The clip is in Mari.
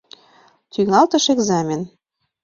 ТӰҤАЛТЫШ ЭКЗАМЕН